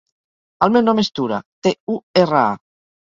El meu nom és Tura: te, u, erra, a.